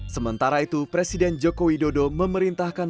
sementara itu presiden joko widodo memerintahkan